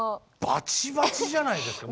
バチバチじゃないですか。